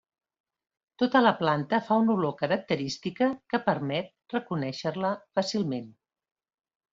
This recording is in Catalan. Tota la planta fa una olor característica que permet reconèixer-la fàcilment.